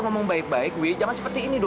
kamu ngapain di sini